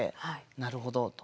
なるほどと。